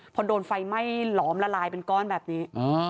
พอโดนไฟไหม้หลอมละลายเป็นก้อนแบบนี้